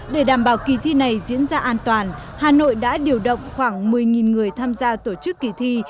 để đảm bảo kỳ thi này diễn ra an toàn hà nội đã điều động khoảng một mươi người tham gia tổ chức kỳ thi